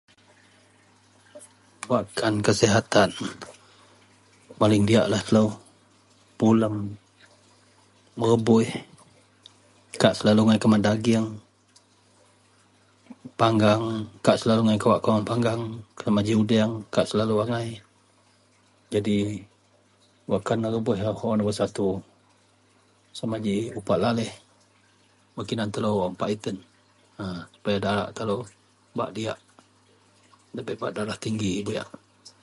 wakkan kasihatan paling diaklah telou pulem, merebuih, kak selalu agai keman daging, panggang, kak selalu agai kawak keman panggang, sama ji udang, kak selalu agai, jadi wakkan nerebuih neho lumbur satu, sama ji upak laleh wak kinan telou wak mepait ien a, supaya telou bak diak, dabei bak darah tinggi buyak